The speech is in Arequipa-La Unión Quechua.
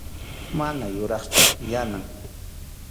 Mana yuraqchu Yanam.